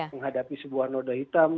menghadapi sebuah noda hitam